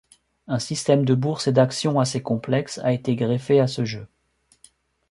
Un système de bourse et d'actions assez complexe a été greffé à ce jeu.